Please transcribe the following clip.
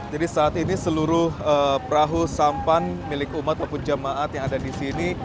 jadi saat ini seluruh perahu sampan milik umat wapun jemaat yang ada di sini